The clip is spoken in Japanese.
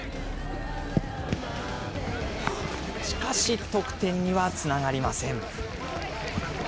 しかし、得点にはつながりません。